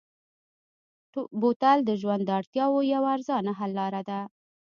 بوتل د ژوند د اړتیاوو یوه ارزانه حل لاره ده.